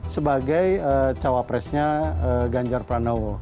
sebagai cawapresnya ganjar pranowo